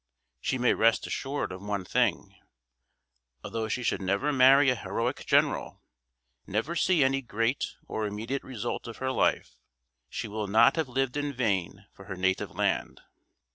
She may rest assured of one thing: although she never should marry a heroic general, never see any great or immediate result of her life, she will not have lived in vain for her native land.